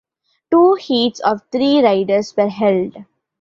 Two heats of three riders were held.